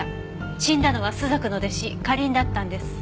死んだのは朱雀の弟子花凛だったんです。